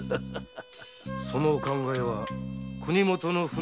そのお考えは国許の船奉行